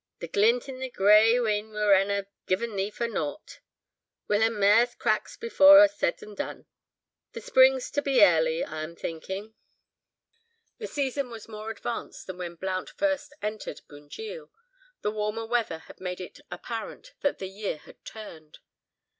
The glint in thae grey 'een werena given thee for naught; we'll hae mair cracks before a's said and done; the spring's to be airly, I'm thinking." The season was more advanced than when Blount first entered Bunjil, the warmer weather had made it apparent that "the year had turned."